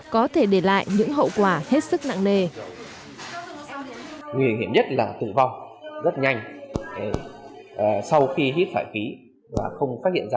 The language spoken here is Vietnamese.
có thể để lại những hậu quả hết sức nặng nề